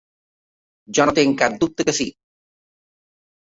Jo no tinc cap dubte que sí.